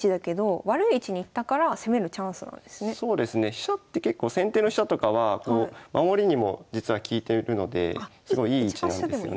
飛車って結構先手の飛車とかは守りにも実は利いてるというのですごいいい位置なんですよね。